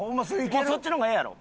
もうそっちの方がええやろ？